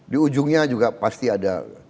di ujungnya juga pasti ada